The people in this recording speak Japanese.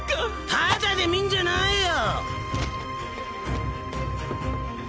タダで見んじゃないよ！